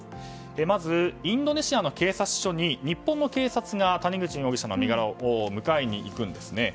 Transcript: まず、インドネシアの警察署に日本の警察が谷口容疑者の身柄を迎えに行くんですね。